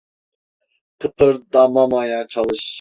Kıpırdamamaya çalış.